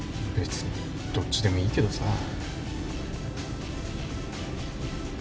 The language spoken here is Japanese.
別にどっちでもいいけどさ。